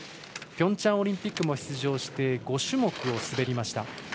ピョンチャンオリンピックにも出場して、５種目を滑りました。